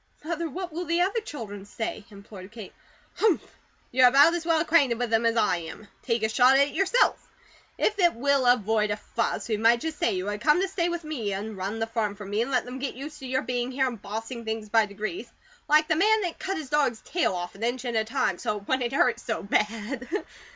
"Mother, what will the other children say?" implored Kate. "Humph! You are about as well acquainted with them as I am. Take a shot at it yourself. If it will avoid a fuss, we might just say you had to come to stay with me, and run the farm for me, and let them get used to your being here, and bossing things by degrees; like the man that cut his dog's tail off an inch at a time, so it wouldn't hurt so bad."